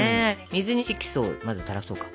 水に色素をまずたらそうか。